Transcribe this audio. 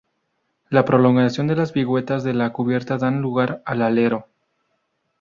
La prolongación de las viguetas de la cubierta dan lugar al alero.